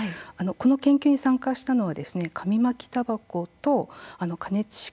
この研究に参加したのは紙巻きたばこと加熱式